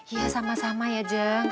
iya sama sama ya jangan